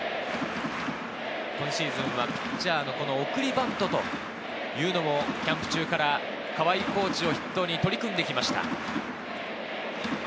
今シーズンはピッチャーの送りバントというのもキャンプ中からコーチを筆頭に取り組んできました。